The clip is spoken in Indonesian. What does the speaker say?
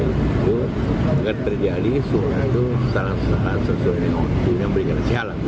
itu akan terjadi suara itu salah sesuai dengan ongkir yang berikan rasyalah gitu